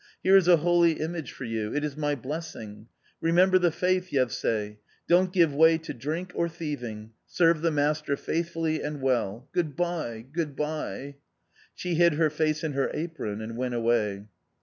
" Here is a holy image for you ; it is my blessing. Remember the faith, Yevsay. Don't give way to drink or thieving ; serve the master faithfully and well. Good bye, good bye !" She hid her face in her apron and went away.